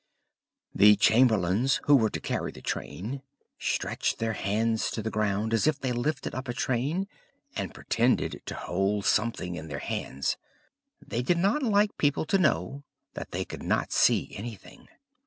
The chamberlains, who were to carry the train, stretched their hands to the ground as if they lifted up a train, and pretended to hold something in their hands; they did not like people to know that they could not see anything.